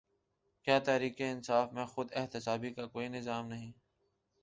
کیا تحریک انصاف میں خود احتسابی کا کوئی نظام ہے؟